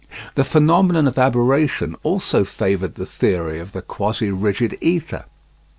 The phenomenon of aberration also favoured the theory of the quasi rigid ether.